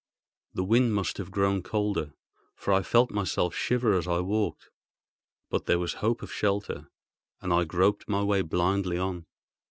The wind must have grown colder, for I felt myself shiver as I walked; but there was hope of shelter, and I groped my way blindly on.